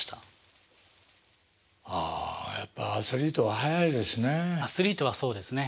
ああやっぱアスリートは早いですね。